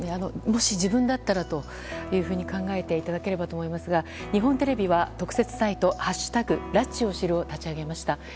もし自分だったらと考えていただければと思いますが日本テレビは特設サイト「＃拉致を知る」を立ち上げました。